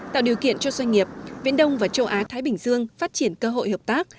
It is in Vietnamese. tạo điều kiện cho doanh nghiệp viễn đông và châu á thái bình dương phát triển cơ hội hợp tác